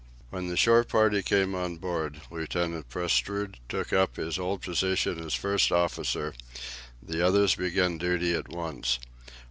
When the shore party came on board, Lieutenant Prestrud took up his old position as first officer; the others began duty at once.